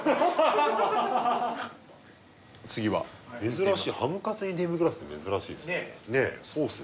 珍しいハムカツにデミグラスって珍しいですよねねえねえソースです